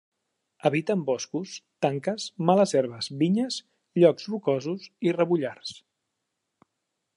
Habita en boscos, tanques, males herbes, vinyes, llocs rocosos i rebollars.